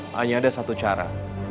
hanya ada satu cara